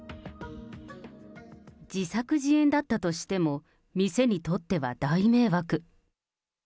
自作自演だったとしても、店にとっては大迷惑。